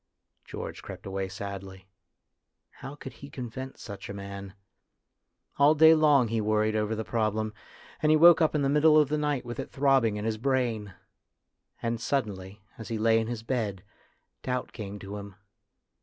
George crept away sadly. How could he convince such a man ? All day long he worried over the problem, and he woke up in the middle of the night with it throbbing in his brain. And suddenly, as he lay in his bed, doubt came to him.